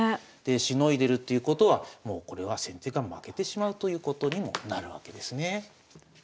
しのいでるっていうことはもうこれは先手が負けてしまうということにもなるわけですね。